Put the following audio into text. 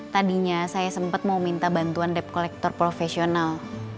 tadinya saya sempat mau minta bantuan debt collector profesional